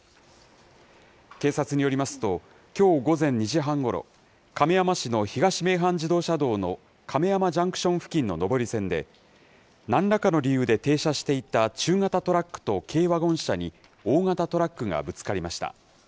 警察によりますと、きょう午前２時半ごろ、亀山市の東名阪自動車道の亀山ジャンクション付近の上り線で、なんらかの理由で停車していた中型トラックと軽ワゴン車に、大型トラックがぶつかりました。